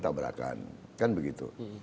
tabrakan kan begitu